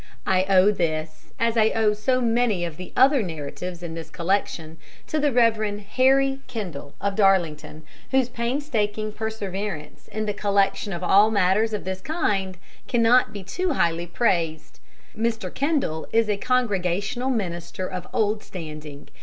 I owe this, as I owe so many of the other narratives in this collection, to the Rev. Harry Kendall, of Darlington, whose painstaking perseverance in the collection of all matters of this kind cannot be too highly praised. Mr. Kendall is a Congregational minister of old standing.